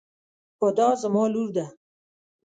هُدا زما لور ده.